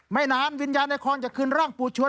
ไม่นานวิญญาณในคอนจะคืนร่างปู่ชวน